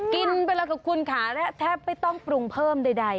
กินไปแล้วกับคุณค่ะและแทบไม่ต้องปรุงเพิ่มใด